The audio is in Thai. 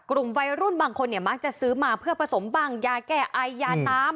กลุ่มวัยรุ่นบางคนเนี่ยมักจะซื้อมาเพื่อผสมบังยาแก้ไอยาน้ำ